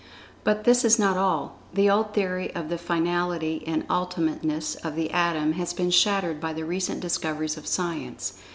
But this is not all. The old theory of the finality, and ultimateness of the Atom has been shattered by the recent discoveries of Science.